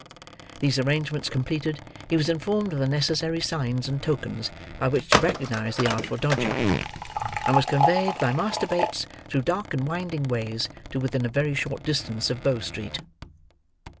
These arrangements completed, he was informed of the necessary signs and tokens by which to recognise the Artful Dodger, and was conveyed by Master Bates through dark and winding ways to within a very short distance of Bow Street.